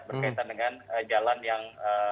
berkaitan dengan jalan yang